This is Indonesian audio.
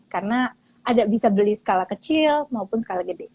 karena ada bisa beli skala kecil maupun skala gede